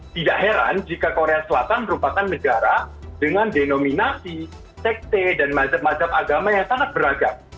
tidak heran jika korea selatan merupakan negara dengan denominasi sekte dan macam macam agama yang sangat beragam